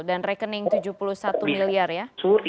dan rekening rp tujuh puluh satu miliar ya